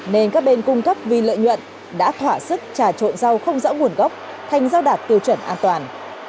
nên các bên cung cấp vì lợi nhuận đã thỏa sức trà trộn rau không rõ nguồn gốc thành rau đạt tiêu chuẩn an toàn